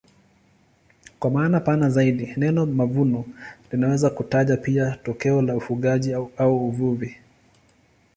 Kwa maana pana zaidi neno mavuno linaweza kutaja pia tokeo la ufugaji au uvuvi.